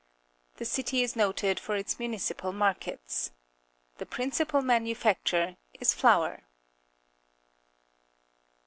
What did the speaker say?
The city is noted for its mmiicipal markets. The principal manufacture is flour.